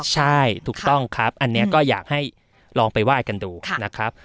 ใช่ถูกต้องครับอันนี้ก็อยากให้ลองไปไหว้กันดูนะครับ